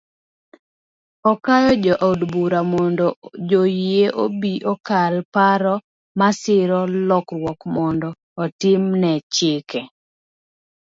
Okayo jood bura mondo joyie obi okal paro masiro lokruok mondo otim ne chike